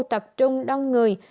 tập trung đông người